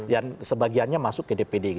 yang sebagiannya masuk ke dpd